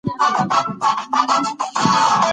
که مشوره واخیستل شي، ستونزه حل کېږي.